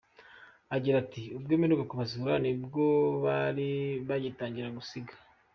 Agira ati “Ubwo mperuka kubasura ni bwo bari bagitangira gusiza.